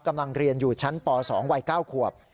กำลังเรียนอยู่ชั้นป๒วัย๙ขวบ